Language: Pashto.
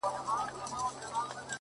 ډېـــره شناخته مي په وجود كي ده!!